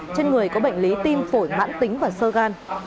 trên người có bệnh lý tim phổi mãn tính và sơ gan